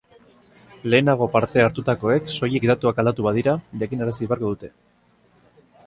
Lehenago parte hartutakoek soilik datuak aldatu badira jakinarazi beharko dute.